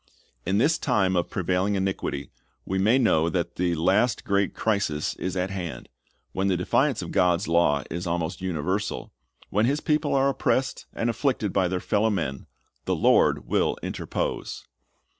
In this time of prevailing iniquity we may know that the la.st great crisis is at hand. When the defiance of God's law is almost universal, when His people are oppressed and afflicted by their fellow men, the Lord will interpose.